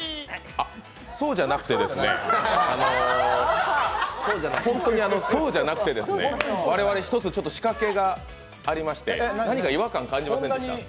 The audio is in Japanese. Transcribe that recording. そうじゃなくてですね、あのー本当にあの、そうじゃなくてですね我々、一つ仕掛けがありまして、何か違和感、感じませんでした？